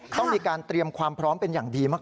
ต้องมีการเตรียมความพร้อมเป็นอย่างดีมาก